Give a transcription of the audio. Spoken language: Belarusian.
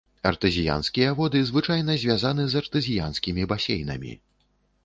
Артэзіянскія воды звычайна звязаны з артэзіянскімі басейнамі.